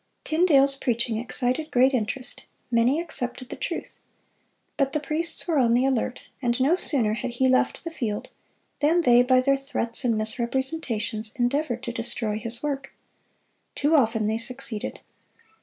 (361) Tyndale's preaching excited great interest; many accepted the truth. But the priests were on the alert, and no sooner had he left the field than they by their threats and misrepresentations endeavored to destroy his work. Too often they succeeded.